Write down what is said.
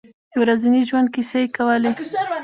د ورځني ژوند کیسې یې کولې.